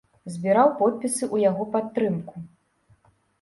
Збіраў подпісы ў яго падтрымку.